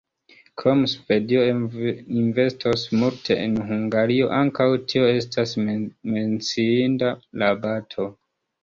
Krome Svedio investos multe en Hungario – ankaŭ tio estas menciinda rabato.